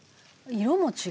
色も違う。